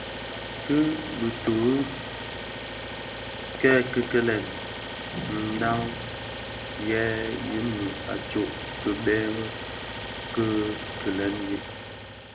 Ki bitughe kè kikilèn ndhaň yè ňu a tsok kibèrèn ki gilèn yin,